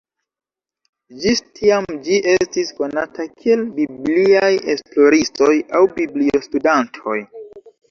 Ĝis tiam ĝi estis konata kiel "Bibliaj esploristoj" aŭ "Biblio-studantoj".